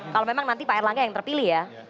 kalau memang nanti pak air langga yang terpilih ya